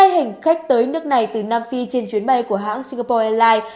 hai hành khách tới nước này từ nam phi trên chuyến bay của hãng singapore airlines